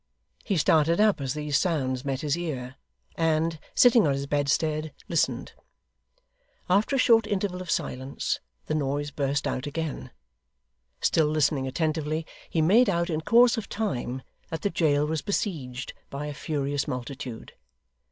He started up as these sounds met his ear, and, sitting on his bedstead, listened. After a short interval of silence the noise burst out again. Still listening attentively, he made out, in course of time, that the jail was besieged by a furious multitude.